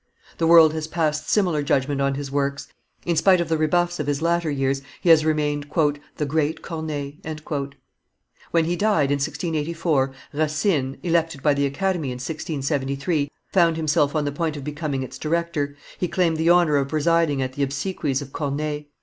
The world has passed similar judgment on his works; in spite of the rebuffs of his latter years, he has remained "the great Corneille." When he died, in 1684, Racine, elected by the Academy in 1673, found himself on the point of becoming its director; he claimed the honor of presiding at the obsequies of Corneille.